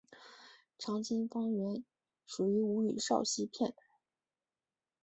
长兴方言属于吴语苕溪片。